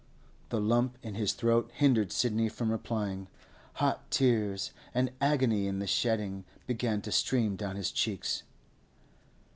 The lump in his throat hindered Sidney from replying. Hot tears, an agony in the shedding, began to stream down his cheeks.